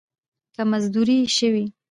که مزدور شوې